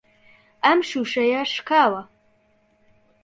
ئەم شووشەیە شکاوە.